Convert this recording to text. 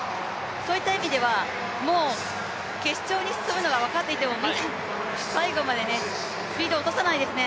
そういった意味では、もう決勝に進むのは分かっていても最後までスピードを落とさないですね。